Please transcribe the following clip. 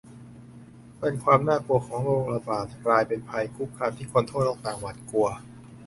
ความน่ากลัวของโรคระบาดกลายเป็นภัยคุกคามที่คนทั่วโลกต่างหวาดกลัว